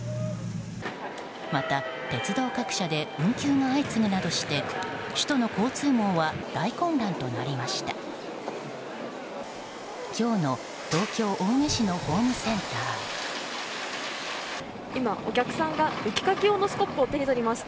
また、鉄道各社で運休が相次ぐなどして首都の交通網は大混乱となりました。